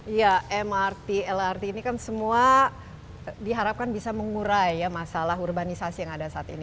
iya mrt lrt ini kan semua diharapkan bisa mengurai ya masalah urbanisasi yang ada saat ini